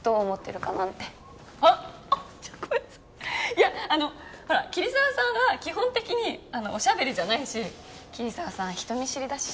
いやあのほら桐沢さんは基本的におしゃべりじゃないし桐沢さん人見知りだし。